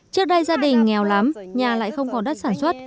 trước đây gia đình nghèo lắm nhà lại không có đất sản xuất